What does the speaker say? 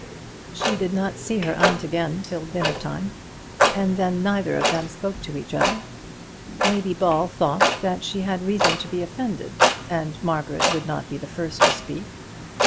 She did not see her aunt again till dinner time, and then neither of them spoke to each other. Lady Ball thought that she had reason to be offended, and Margaret would not be the first to speak.